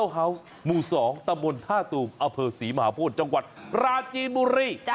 หมู่๒ตะบนท่าตูมอเภอศรีมหาโพธิจังหวัดปราจีนบุรี